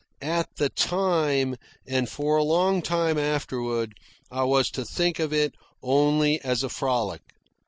At the time, and for a long time afterward, I was to think of it only as a frolic.